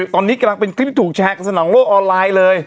ตอนนี้กำลังเป็นคลิปที่ถูกแชร์กันสนองโลกออนไลน์เลย